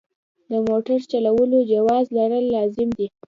د موټر چلولو جواز لرل لازم دي.